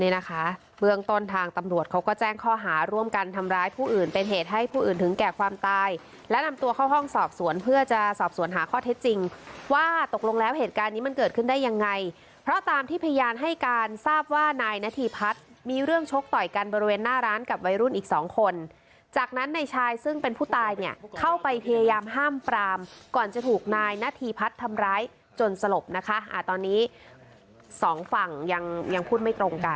นี่นะคะเบื้องต้นทางตำรวจเขาก็แจ้งข้อหาร่วมกันทำร้ายผู้อื่นเป็นเหตุให้ผู้อื่นถึงแกกความตายและนำตัวเข้าห้องสอบสวนเพื่อจะสอบสวนหาข้อเท็จจริงว่าตกลงแล้วเหตุการณ์นี้มันเกิดขึ้นได้ยังไงเพราะตามที่พยานให้การทราบว่านายนทีพัฒน์มีเรื่องชกต่อยกันบริเวณหน้าร้านกับวัยรุ่นอี